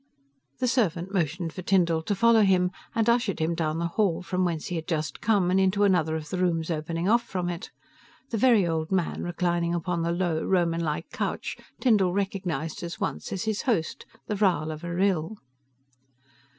The servant motioned for Tyndall to follow him, and ushered him down the hall from whence he had just come, and into another of the rooms opening off from it. The very old man reclining upon the low, Roman like couch, Tyndall recognized at once as his host, the Rhal of Arrill.